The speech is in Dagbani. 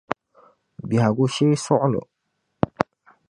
Bɛhigu shee suɣulo.